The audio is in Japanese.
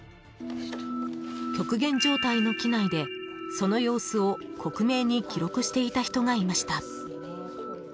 極限状態の機内で、その様子を克明に記録していた人がいました。